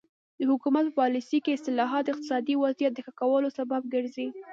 د حکومت په پالیسۍ کې اصلاحات د اقتصادي وضعیت د ښه کولو سبب ګرځي.